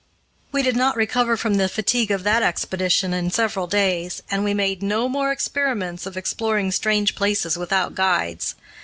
We did not recover from the fatigue of that expedition in several days, and we made no more experiments of exploring strange places without guides.